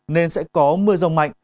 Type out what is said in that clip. nên sẽ có mưa rông mạnh